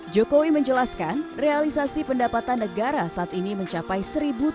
jokowi menjelaskan realisasi pendapatan indonesia adalah kekuatan yang sangat kuat